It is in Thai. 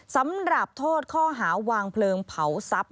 สำหรับโทษข้อหาวางเพลิงเผาทรัพย